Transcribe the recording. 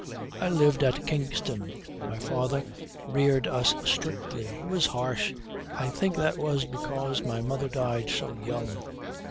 "I lived at Kingston. My father reared us strictly. He was harsh. I think that was because my mother died so young.